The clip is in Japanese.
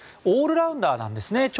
オールラウンダーなんですね